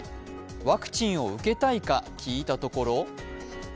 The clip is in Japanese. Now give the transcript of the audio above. ワクチンを受けたいか聞いたところ